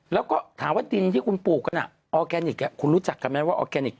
แล้วก็ถามว่าดินที่คุณปลูกกันออร์แกนิคคุณรู้จักกันไหมว่าออร์แกนิค